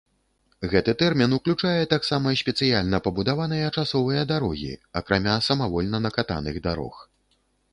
Гэты тэрмін уключае таксама спецыяльна пабудаваныя часовыя дарогі, акрамя самавольна накатаных дарог.